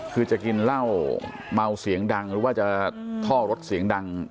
คือจะกินเหล้าเมาเสียงดังหรือว่าจะท่อรถเสียงดัง